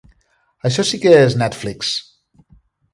Això sí que és Netflix.